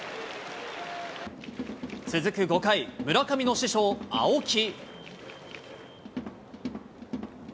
続く５回、村上の師匠、青木。